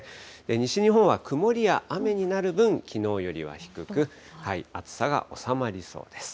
西日本は曇りや雨になる分、きのうよりは低く、暑さが収まりそうです。